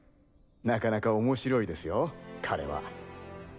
なかなか面白いですよ彼は。